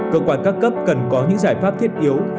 cơ quan các cấp cần có những giải pháp thiết yếu